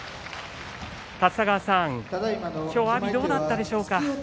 立田川さん、きょう阿炎どうだったでしょうか。